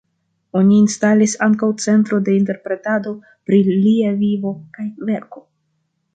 Oni instalis ankaŭ centro de interpretado pri lia vivo kaj verko.